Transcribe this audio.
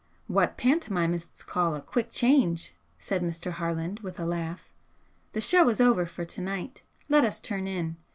"What pantomimists call a 'quick change'" said Mr. Harland, with a laugh "The show is over for to night. Let us turn in.